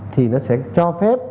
thì nó sẽ cho phép